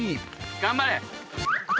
頑張れ。